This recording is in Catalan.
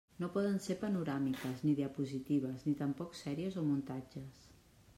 No poden ser panoràmiques, ni diapositives, ni tampoc sèries o muntatges.